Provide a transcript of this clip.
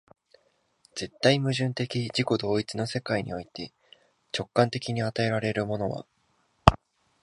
絶対矛盾的自己同一の世界において、直観的に与えられるものは、